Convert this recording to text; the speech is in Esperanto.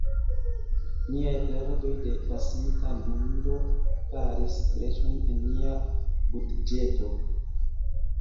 Niaj perdoj de pasinta lundo faris breĉon en nia budĝeto.